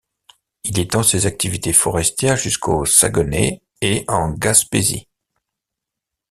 Il étend ses activités forestières jusqu'au Saguenay et en Gaspésie.